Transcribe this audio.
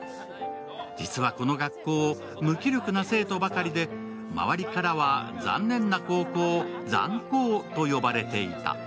実はこの学校、無気力な生徒ばかりで、周りからは残念な高校ザン高と呼ばれていた。